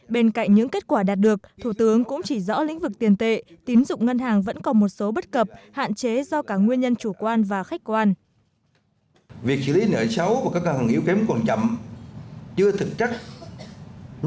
bên cạnh những kết quả đạt được thủ tướng cũng chỉ rõ lĩnh vực tiền tệ tín dụng ngân hàng vẫn còn một số bất cập hạn chế do cả nguyên nhân chủ quan và khách quan